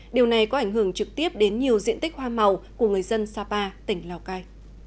điều này có ảnh hưởng trực tiếp đến nhiều diện tích hoa màu của người dân sapa tỉnh lào cai